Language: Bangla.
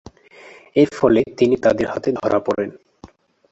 এরফলে তিনি তাদের হাতে ধরা পড়েন।